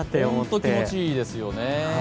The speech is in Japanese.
本当に気持ちいいですよね。